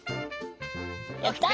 やった！